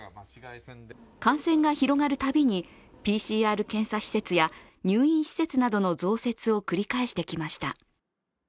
感染が広がるたびにＰＣＲ検査施設や入院施設などの増設を繰り返してきました。